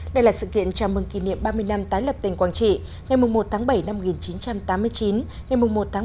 đây là sự kiện chào mừng kỷ niệm ba mươi năm tái lập tỉnh quảng trị ngày một bảy một nghìn chín trăm tám mươi chín ngày một bảy hai nghìn một mươi chín